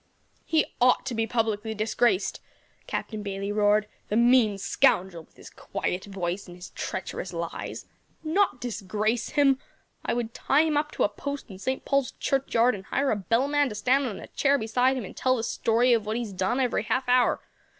"He ought to be publicly disgraced," Captain Bayley roared, "the mean scoundrel, with his quiet voice and his treacherous lies. Not disgrace him? I would tie him up to a post in St. Paul's Churchyard, and hire a bellman to stand on a chair beside him and tell the story of what he has done every half hour.